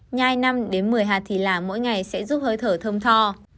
nhai năm một mươi hạt thì là mỗi ngày sẽ giúp hơi thở thơm thò